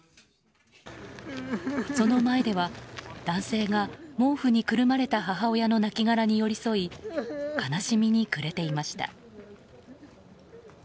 その前では、男性が毛布にくるまれた母親の亡きがらに寄り添い悲しみに暮れていました。